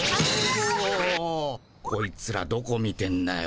こいつらどこ見てんだよ？